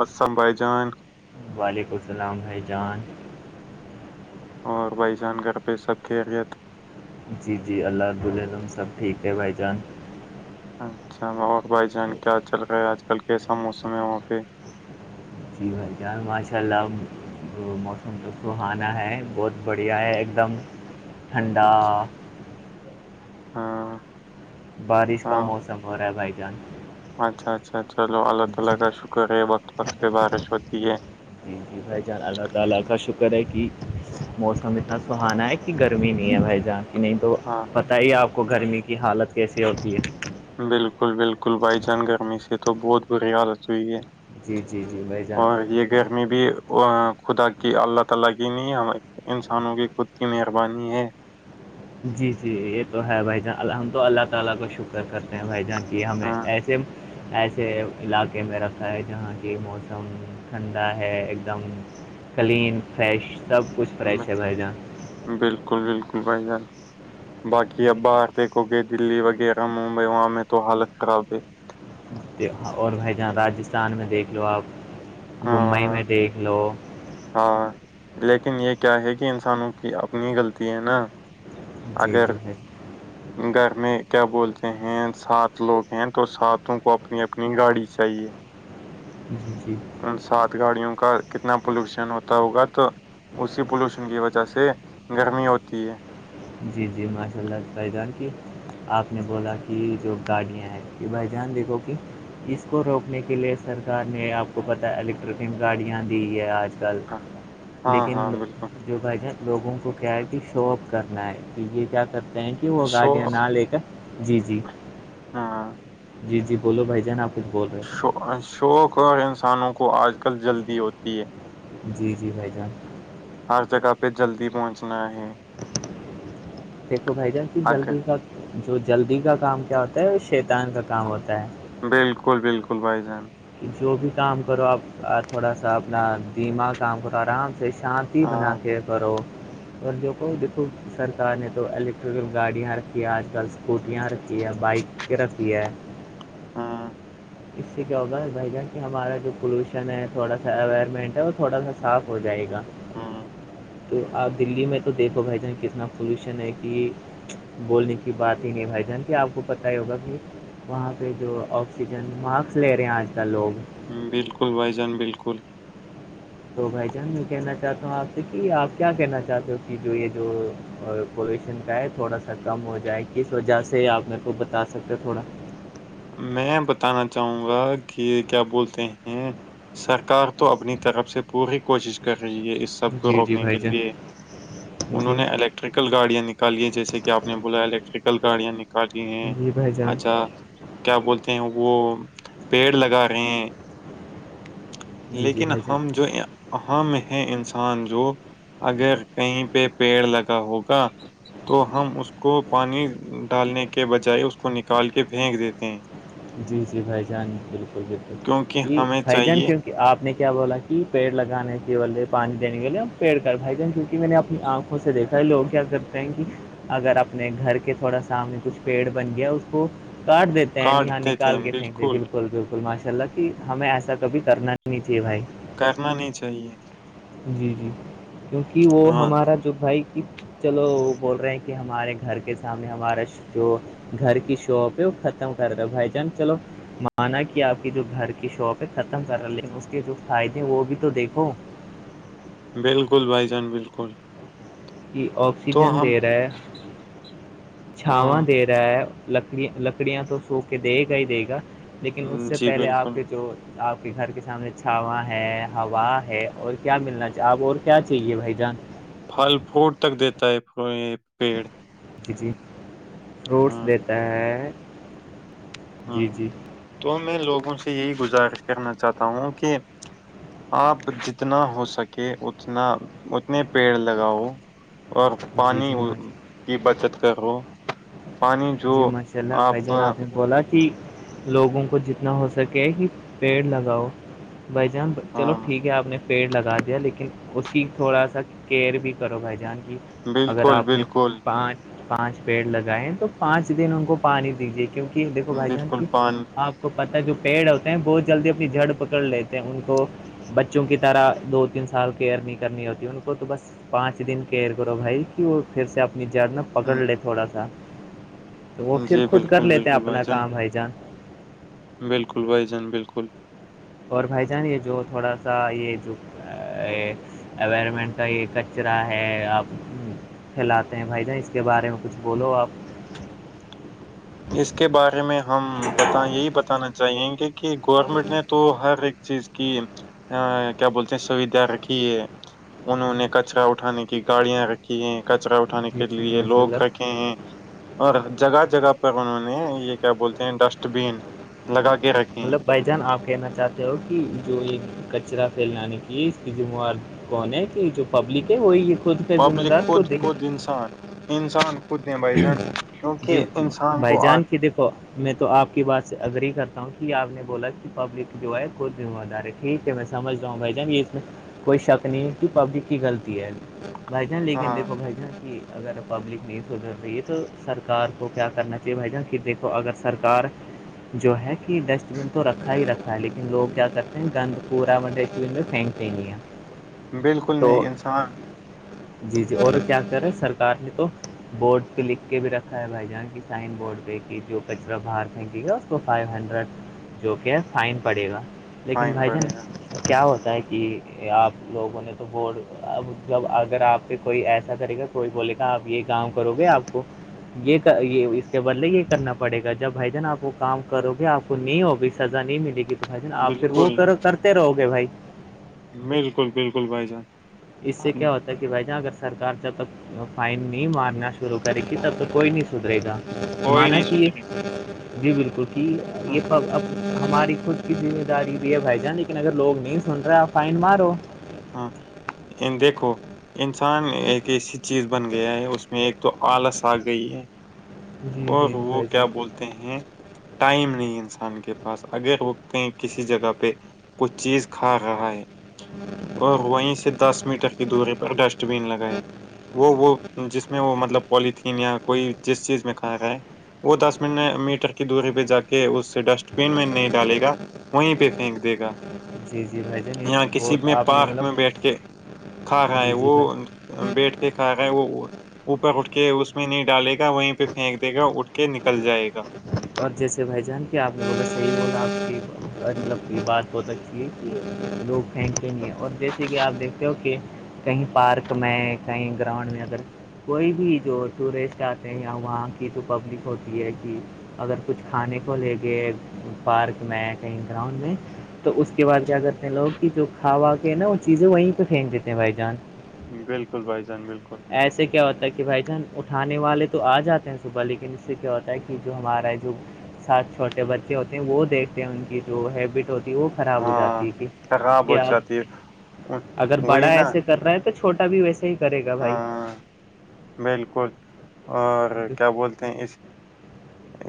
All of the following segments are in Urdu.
اسسام بائی جان وعلیکم السلام بھائی جان اور بھائی جان گھر پہ سب کیھیریت جی جی اللہادعظم سب ٹھیک ہے بھائی جان اچھا ب بھائی جان کیا چل رہا ہے آج کل کیسا موسم ہے وہاں پہ جی بھائی جان ماشاء اللہ موسم تو سہانا ہے بہت بڑھیا ہے ایک دم ٹھنڈا اچھا ہاں بارش کا ہاں موسم ہو رہا ہے بھائی جان جی [inaudible] [inaudible] کی گرمی نہیں ہے بھائی جہاں کی نہیں تو ہاں بتائیے آپ کو گرمی کی حالت کیسی ہوتی ہے بالکل بالکل بھائی جان گرمی سے تو بہت بری حالت ہوئی ہے جی جی جی بھائی جان اور یہ گھر میں بھی [inaudible] [inaudible] ہاں ایسے علاقے میں رکھا ہے جہاں کی موسم ٹھنڈا ہے ایک دم کلین فریش سب کچھ فریش ہے بھائی جان بالکل بالکل بھائی جان باقی اب جی باہر دیکھو گے دلی وغیرہ ممبئی وہاں میں تو حالت خراب ہے اور بھائی جہاں راجستھان میں دیکھ لو آپ بمبئی ہاں میں دیکھ لو ہاں لیکن یہ کیا ہے کہ انسانوں کی اپنی غلط ہے نا جی اگر جی بھائی گھر میں کیا بولتے ہیں سات لوگ ہیں تو ساتوں کو تمہیں اپنی گاڑی چاہیے جی جی ان سات گاڑیوں کا کتنا پولوشن ہوتا ہوگا تو اسی پولوشن کی وجہ سے گرمی ہوتی ہے جی جی ماشاء اللہ پرییدان کیے آپ نے بولا کہ جو گاڑیاں ہیں یہ بھائی جان دیکھو کہ اس کو روکنے کے لیے سرکار نے آپ کو پتا الیکٹرکک گاڑیاں دی ہے آج آ کل ہاں ہاں لیکن ہاں، بالکل جو بھ ج لوگوں کو کیا ہے کہ شو اپ کرنا ہے تو یہ کیا کرتے ہیں وہ شو گاڑیاں نہ لے کر جی جی ہاں جی جی بولو بھائی جان آپ خچود بول رہے ہو اور شوق اور انسانوں کو آج کل جلدی ہوتی ہے جی -جی بھائی جان- ہر جگہ پہ جلدی پہنچنا ہے- دیکھو بھائی, جان کہ حق ہے۔ جلدی کا جو جلدی کا کام کیا ہوتا ہے وہ شیطان کا کام ہوتا ہے- بالکل- بالکل بھائی جان- جو بھی کام کرو آپ تھوڑا سا اپنا دماغ کام کرو آرام سے- شانتی بنا ہاں کے کرو اور جو کو دیکھو- سرکار نے تو الیکٹریکل گاڑیاں رکھی ہیں آج کل اسکوٹیاں رکھی ہے بائک رکھی ہے- ہاں- اس سے کیا ہوگا بھائی جان کہ ہمارا جو پولوشن ہے تھوڑا سا انوائرمنٹ ہے وہ تھوڑا سا صاف ہو جائے گا- ہاں تو آپ دلی میں تو دیپو بھائی جان کتنا پالوشن ہے کہ بولنے کی بات ہی نہیں بھائی جان کی آپ کو پت ہی ہوگا کہ وہاں پہ جو آکسیج- مارکس لے رہے ہیں آج کل لوگ- بالکل بھائی جان, بالکل- تو بھائی جان میں کہنا چاہتا ہوں آپ سے کہ آپ کیا کہنا چاہتے ہو کہ جو یہ جو- اور پولوشن کا ہے تھوڑا سا کم ہو جائے کس وجہ سے آپ میرے کو بتا سکتے ہو تھوڑا- میں بتانا چاہوں گا کہ کیا بولتے ہیں سرکار تو اپنی طرف سے پوری کوشش کر رہی ہے اس- سب کو جی جی روکنے بھائی کے جان لئے انہوں جی نے الیکٹ- الٹریکل گاڑیاں نکالی ہیں جیسے کہ آپ نے بولا الیکٹریکل گاڑیاں نکالی ہیں جی بھائی جان اچھا کیا بولتے ہیں وہ پیڑ لگا رہے ہیں? جی جی لیکن بھائی جان ہم جو یہ ام ہے انسان جو اگر کہیں پہ پیڑ لگا ہوگا- تو ہم اس کو پانی ڈالنے کے بجائے اس کو نکال کے پھینک دیتے ہیں- جی- جی بھائی جان بالکل- بالکل کیونکہ جی ہمیں بھائی جان چاہیے کی آپ نے کیا بولا کہ پیڑ لگانے کے بولے پانی دینے کےولے اور پیڑ کا بھائی جن کی- میں نے اپنی آنکھوں سے دیکھا ہے لوگ کیا کرتے ہیں کہ- اگر اپنے گھر کے تھوڑا سامنے کچھ پیڑ بن گیا اس کو کاٹ دیتے- ہیں یہاں کاڈتے نکال کے تھینک بالکل- بالکل ماشاء اللہ کہ ہمیں ایسا کب کرنا نہیںاہے بھائی- کرنا نہیں چاہیے- جی -جی کیونکہ وہ ہاں ہمارا جو بھائی کی- چلو وہ بول رہے ہیں کہ ہمارے گھر کے سامنے ہمارا جو- گھر کی شاپ ہے وہ ختم کر رہا ہے بھائی جان چلو- مانا کہ آپ کی جو گھر کی شاپ ہے ختم کر رہ ل اس کے جو فائدے وہ بھی تو دیکھو- بالکل بھائی جان بالکل کہ تو آکسیجن ہم دے رہا ہے چھاواں ہاں دے رہا- میں لکڑیاں تو کھو کے دے گا ہی دے گا لیکن اس سے جی پہلے اپ بالکل کے جو- آپ کے گھر کے سامنے چھاواں ہے ہوا ہے اور کیا ملنا چاہیے آپ اور کیا چاہیے بھائی جان? پھل فوٹ تک دیتا ہے یہ پیڑ- جی- جی فروٹس دیتا ہے ہ جی جی تو میں لوگوں سے یہی گزارش کرنا چاہتا ہوں کہ- آپ جتنا ہو سکے اتنا اتنے پیڑ لگاؤ اور جی پانی جی کی بچت کرو- پانی جو جی ماشاء اللہ بھائی جان آپ نے بولا کہ- لوگوں کو جتنا ہو سکے کہ پیڑ لگاؤ بھائی جان چلو ہاں ٹھیک ہے آپ نے- پیڑ لگا دیا لیکن اس کی تھوڑا سا کیئر بھی کرو بھائی جان کی اگر بالکل آپ نے بالکل پانچ پانچ پیڑ لگائے تو پانچ دن ان کو پانی دیجیے کیوںکہ دیکھو بھائی جان بالکل کی پان آپ- کو پتا جو پیڑ ہوتے ہیں بہت جلدی اپنی جڑ پکڑ لیتے ہیں ان کو- بچوں کی طرح دو تین سال کیئر نہیں کرنی ہوتی ان کو تو بس- پانچ دن کیئر کرو بھائی کہ وہ پھر سے اپنی جڑ میں پکڑ لے تھوڑا سا تو وہ پھر جی خود کر بالکل لیتے ہیں بالکل بھائی اپنا جان کام بالکل بھائی جان بالکل اور بھائی جان یہ جو تھوڑا سا یہ جو ایوائرمنٹ کا یہ کچرا ہے آپ پھیلاتے ہیں بھائی جان اس کے بارے میں کچھ بولو آپ اس کے بارے میں ہم بتا یہی بتانا چاہییں گے کہ گورنمنٹ نے تو ہر چیز کی کیا بولتے ہیں سوھ رکھی ہے انہوں نے کچرا اٹھانے کی گاڑیاں رکھی ہیں کچراھ اٹھانے جی کے جی لیے ماشاء لوگ اللہ رکھے ہیں اور جگہ جگہ انہوں نے یہ کیا بولتے ہیں ڈسٹ بین لگا کے رکھے ہیں مطلب بائ جان آپ کہنا چاہتے ہو کہ جو یہ کچرا پھیلانے کی اس کی موار کون ہے کہ جو پبلک ہے وہی خود کا ذمہ پبلک دار خود ہے خود انسان انسان پتننے بائی جن کیونکہ انسان کو آ تو میں تو آپ کی بات سے اگری کرتا ہوں کہ آپ نے بولا کہ پبلک جو ہے خود دم ادارے ٹھیک ہے میں سمجھ رہا ہوں بھائی جان یہ اس میں کوئی شک نہیںتی پبلک کی غلطی ہے بھائی جان لے کےن ہاں دیکھو بھائی جان کی اگر پبلک نے دھر دے تو سرکار کو کیا کرنا چاہیے بھائی جان کہ دیکھو اگر سرکار جو ہے کہ ڈسٹ بین تو رکھا ہی رکھا ہے لیکن لوگ کیا کرتے ہیں گند پورا میں ڈسٹ بن میں فینک د لییا بالکل نہیں انسان جی جی اور کیا کرے سرکار نے تو بورڈ پ لکھ کے بھی رکھا ہے بھائی جہاں کی سائن بورڈ پہ جو کچرا باہر پھینکی گیا اس کو فائیو ہنڈریڈ جو کہ ہے فائن پڑے گا لیکن فائن بھائی جان پڑے گا کیا ہوتا ہے کہ آپ لوگوں نے تو بٹ جب اگر آپ پہ کوئی ایسا کرے گا کوئی بولے گا آپ یہ کام کرو گے آپ کو یہ یہ اس کے بدلے یہ کرنا پڑے گا جب بھائی جان آپ کام کرو گے آپ کو نہیں ہوگی سزا نہیں ملے گی تو بھائی ج نا آپ پھر وہ بالکل کرو کرتے رہو گے بھائی بالکل بالکل بھائی جان اس سے کیا ہوتا کہ بھائی جان اگر سرکار جب تک فائن نہیں مارنا شروع کرے گی تب تک کوئی نہیں سدھرے گا کوئی مانا نہیں کہ سدھرے جی بالکل کہ ہاں یہب ہماری خود کی ذمہ داری بھی ہے بھائی جان لیکن اگر لوگ نہیں سن رہے آپ فائن مارو ہاں دیکھو انسان ایک چیز بن گیا ہے اس میں ایک تو آلس آ گئی ہے جی جی اور جی وہ بھائی کیا جان بولتے ہیں ٹائم نہیں انسان کے پاس اگر رکتے ہیں کسی جگہ پہ کچھ چیز کھا رہا ہے اور وہیں سے دس میٹر کی دوری پر ڈسٹ بین لگائے وہ وہ جس میں وہ مطلب پولیتھیین یا کوئی جس چیز میں کھایا گائے وہ دس م میٹر کی دوری پہ جا کے اس ڈسٹ بین میں نہیں ڈالے گا وہیں پہ پھینک دے گا جی جی بھائی جان یہ یہاں کسی بہت میں آپ نے پارک مطلب میں بیٹھ کے کھا گاائے جی جی وہ بھائی بیٹھ کے کھا گائے وہ اوپر اٹھ کے اس میں نہیں ڈالے گا وہیں پہ پھینک دے گا اٹھ کے نکل جائے گا اور جیسے بھائی جان کہ آپ نے ب صحیح ب آپ کی مطلب بات بت کہ لوگ پھینکیں گے اور جیسے کہ آپ دیکھتے ہو کہ کہیں پارک میں کہیں گراؤنڈ میں اگر کوئی بھی جو ٹورسٹ آتے ہیں یا وہاں کی تو پبلک ہوتی ہے کہ اگر کچھ کھانے کو لے کے پارک میں کہیں گراؤنڈ میں تو اس کے بعد کیا کرتے ہیں لوگ کہ جو کھاوا کے نا وہ چیزیں وہیں پہ پھینک دیتے ہیں بھائی جان بالکل بھائی جان بالکل ایسے کیا ہوتا ہے کہ بھائی جان اٹھانے والے تو آ جاتے ہیں صبح لیکن اس سے کیا ہوتا ہے کہ جو ہمارا جو ساتھ چھوٹے بچے ہوتے ہیں وہ دیکھتے ہیں ان کی جو ہیبٹ ہوتی ہے وہ خراب ہو ہاں جاتی کہ خراب ہو جاتی ہے اُن- کیاپ اگر بڑا وہی نا ایسے کر رہا ہے تو چھوٹا بھی ویسے ہی کرے گا بھائی ہاں بالکل اور کیا بولتے ہیں اس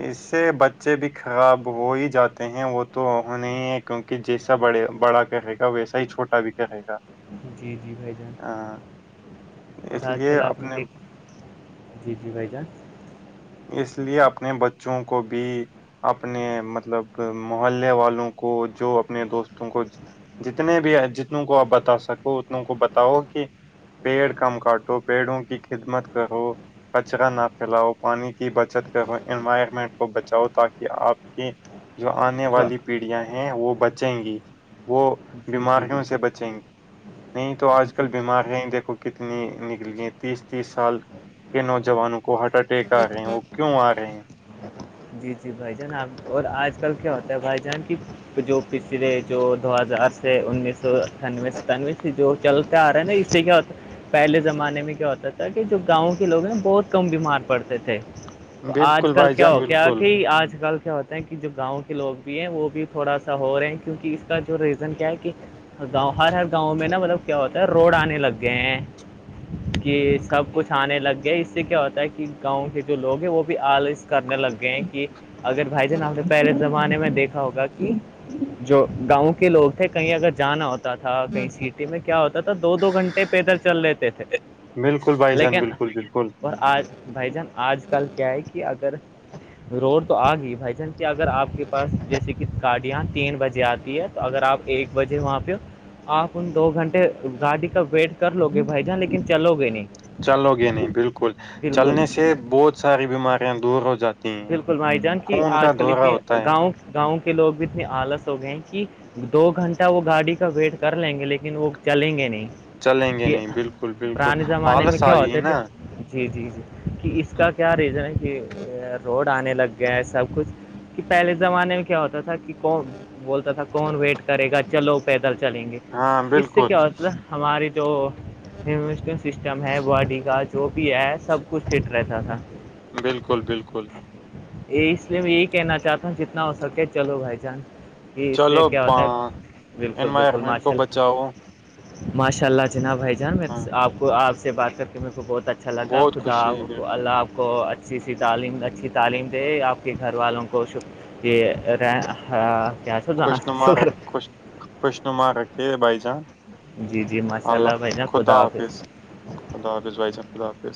اس سے بچے بھی خراب ہو ہی جاتے ہیں وہ تو انیں ایک کیونکہ جیسا بڑے بڑا کہے گا ویسا ہی چھوٹا بھی کہے گا جی جی بھائی جان ہاں اور اس آج لیے کل آپ نے اپنے دیکھ جی جی بھائی جان اس لیے اپنے بچوں کو بھی اپنے مطلب محللے والوں کو جو اپنے دوستوں کو جتنے بھی جتنوں کو آپ بتا سکو اتنوں کو بتاؤ کہ پیڑ کم کاٹو پیڑوں کی خدمت کرو کچرا نہ پھیلاؤ پانی کی بچت کر ہو انوائرمنٹ کو بچاؤ تاکہ آپ کی جو آنے جو والی پیڑیاں ہیں وہ بچیں گی وہ جی جی بیماریوں سے بالکل بچیں گی نہیں تو آج کل جی بیماریاں ہی دیکھو گی کتنی نکلی ہیں تیس تیس سال کے نوجوانوں کو ہارٹ اٹیک آ رہے ہیں وہ کیوں آ رہے ہیں [unintelligible] جی جی بھائی جان آ اور آج کل کیا ہوتا ہے بھائی جان کی جو پچھلے جو دو ہزار سے انیس سو اٹھانوے ستانوے سے جو چلتے آ رہا ہے نا اسے کیا ہوتا ہے پہلے زمانے میں کیا ہوتا تھا کہ جو گاؤں کے لوگ ہیں بہت کم بیمار پڑتے تھے تو آج بالکل کل بھائی کیا جان ہو کیا بالکل کہ آج کل کیا ہوتا کہ جو گاؤں کے لوگ بھی ہیں وہ بھی تھوڑا سا ہو رہے ہیں کیونکہ اس کا جو ریزن کیا ہے کہ گاؤں ہر ہر گاؤں میں نا مطلب کیا ہوتا ہے روڈ آنے لگ گئے ہیں کہ سب کچھ آنے لگ گیا اس سے کیا ہوتا ہے کہ گاؤں کے جو لوگ ہیں وہ بھی آالس کرنے لگ گئے ہیں کہ اگر بھائی جان آپ نے پہلے زمانے میں دیکھا ہوگا کہ جو گاؤں کے لوگ تھے کہیں اگر جانا ہوتا تھا کہیں سٹی میں کیا ہوتا تھا دو دو گھنٹے پیدل چل رہتے تھے بالکل بائی جان لیکن بالکل بالکل اور آج بھائی جان آج کل کیا ہے کہ اگر روڈ تو آ گئی بھائی جان کے اگر آپ کے پاس جیسے کہ گاڑیاں تین بجے آتی ہے تو اگر آپ ایک بجے وہاں پہ آپ ان دو گھنٹے گاڑی کا ویٹ کر لو گے بھائی جان لیکن چلو گے نہیں چلو گے نہیں بالکل چلنے بالکل سے بہت ساری بیماریاں دور ہو جاتی ہیں بالکل بھائی جان کہ خون کا آج کل دورہ اتنے ہوتا ہے گاؤں گاؤں کے لوگ بھی اتنے آلس ہو گئے ہیں کہ دو گھنٹہ وہ گاڑی کا ویٹ کر لیں گے لیکن وہ چلیں گے نہیں چلیں گے کہ نہیں بالکل بالکل پرانے زمانے میں آلس آ کیا گئی ہوتے نا تھے جی جی جی کہ اس ہوں، کا کیا ریزن ہے کہ روڈ آنے لگ گیا ہے سب کچھ کہ پہلے زمانے میں کیا ہوتا تھا کہ کون بولتا تھا کون ویٹ کرے گا چلو پیدل چلیں گے ہاں اس سے بالکل کیا ہوتا تھا ہماری جو سسٹم ہے باڈی کا جو بھی ہے سب کچھ فٹ رہتا تھا بالکل بالکل یہ اس لیے میں یہی کہنا چاہتا ہوں جتنا ہو سکے چلو بھائی جان کہ اس سے چلو کیا ہوتا ہے بالکل بالکل انوائرمنٹ کو ماشال بچاؤ ماشاء اللہ جناب بھائی جان میں ہاں آپ کو آپ سے بات کر کے میرے کو بہت اچھا اچھا لگا بہت خدا خوشی ہوئی آ بالکل اللہ آپ کو اچھی سی تعلیم اچھی تعلیم دے ہاں، آپ کے گھر والوں کو ش رہ کیا خوش نمار شکر رکھ خوش خوش ن مار رکھے بائی جان جی جی ماشاء اللہ بھائی ن خدا حافظ خداظ بھائیاحب خدا حافظ